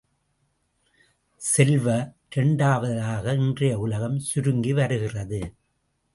செல்வ, இரண்டாவதாக இன்றைய உலகம் சுருங்கி வருகிறது.